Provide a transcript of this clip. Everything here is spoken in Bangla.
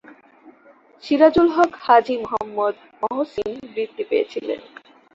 সিরাজুল হক হাজী মুহাম্মদ মহসিন বৃত্তি পেয়েছিলেন।